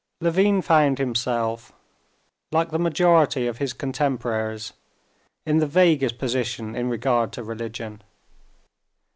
Levin found himself, like the majority of his contemporaries, in the vaguest position in regard to religion.